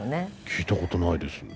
聞いたことないです。